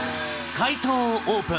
解答をオープン。